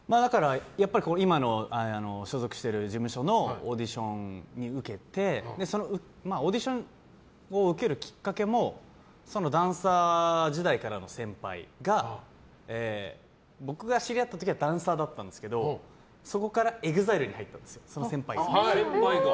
今の所属している事務所のオーディションを受けてそのオーディションを受けるきっかけもダンサー時代からの先輩が僕が知り合った時はダンサーだったんですけどそこから、ＥＸＩＬＥに入ったんです、その先輩が。